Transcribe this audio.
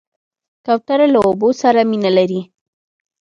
کوتره له اوبو سره مینه لري.